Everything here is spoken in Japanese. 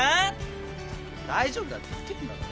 大丈夫だって言ってんだろ。